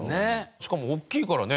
しかもおっきいからね。